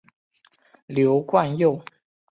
刘冠佑。